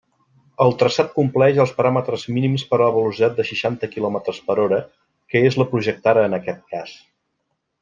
El traçat compleix els paràmetres mínims per a la velocitat de seixanta quilòmetres per hora que és la projectada en aquest cas.